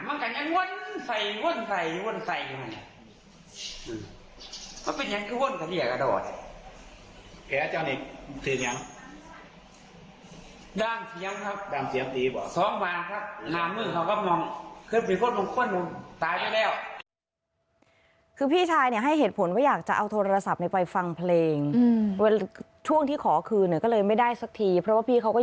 ซึ่งที่ซึ่งที่ซึ่งที่ซึ่งที่ซึ่งที่ซึ่งที่ซึ่งที่ซึ่งที่ซึ่งที่ซึ่งที่ซึ่งที่ซึ่งที่ซึ่งที่ซึ่งที่ซึ่งที่ซึ่งที่ซึ่งที่